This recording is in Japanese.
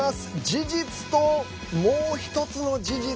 事実と、もう１つの事実。